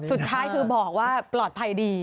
สุดท้ายคือบอกว่าปลอดภัยดี